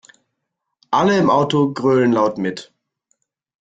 Alle im Auto grölen laut mit.